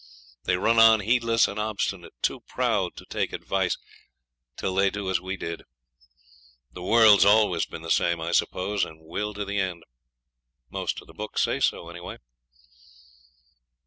They run on heedless and obstinate, too proud to take advice, till they do as we did. The world's always been the same, I suppose, and will to the end. Most of the books say so, anyway.